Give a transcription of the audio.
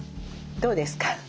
どうですか。